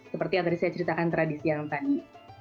seperti yang tadi saya ceritakan tradisi yang tadi